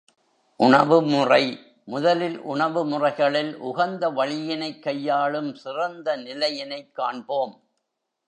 உணவு முறை முதலில் உணவு முறைகளில் உகந்த வழியினைக் கையாளும் சிறந்த நிலையினைக் காண்போம்.